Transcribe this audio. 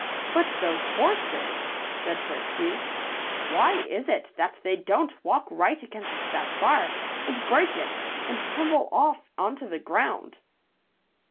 "But those horses " said Frisky. "Why is it that they don't walk right against that bar, and break it, and tumble off onto the ground?"